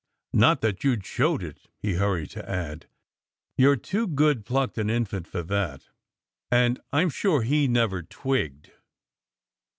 Not that you showed it !" he hurried to add. "You re too good plucked an infant for that! And I m sure he never twigged.